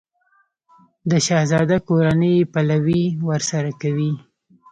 د شهزاده کورنۍ یې پلوی ورسره کوي.